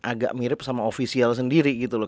agak mirip sama ofisial sendiri gitu loh